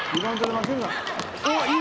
おっいい！